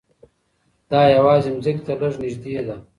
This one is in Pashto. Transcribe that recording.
دا یوازې ځمکې ته لږ نږدې ده.